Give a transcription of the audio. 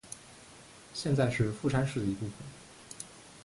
现在是富山市的一部分。